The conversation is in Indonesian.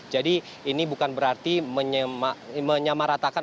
jadi ini bukan berarti menyamaratakan